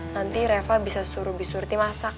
nanti reva bisa suruh bisurti masak